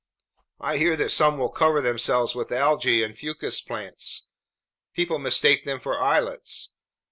I hear that some will cover themselves with algae and fucus plants. People mistake them for islets.